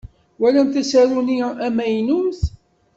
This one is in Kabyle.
Twalamt asaru-nni amaynut?